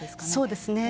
そうですね。